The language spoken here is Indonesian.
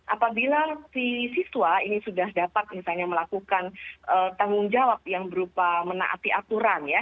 apabila si siswa ini sudah dapat misalnya melakukan tanggung jawab yang berupa menaati aturan ya